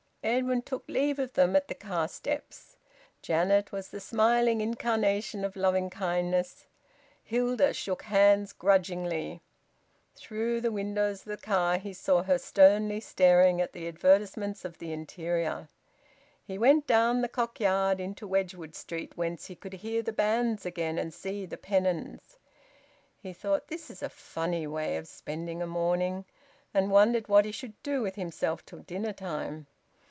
Edwin took leave of them at the car steps. Janet was the smiling incarnation of loving kindness. Hilda shook hands grudgingly. Through the windows of the car he saw her sternly staring at the advertisements of the interior. He went down the Cock Yard into Wedgwood Street, whence he could hear the bands again and see the pennons. He thought, "This is a funny way of spending a morning!" and wondered what he should do with himself till dinner time.